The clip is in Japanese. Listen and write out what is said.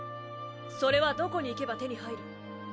それはどこに行けば手に入る？